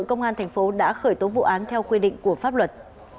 công an thành phố đã khởi tố vụ án theo quy định của pháp luật